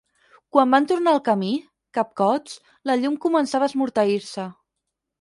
Quan van tornar al camí, capcots, la llum començava a esmorteir-se.